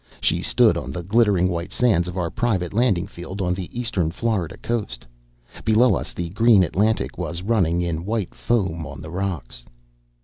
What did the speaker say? She stood on the glistening white sand of our private landing field on the eastern Florida coast. Below us the green Atlantic was running in white foam on the rocks.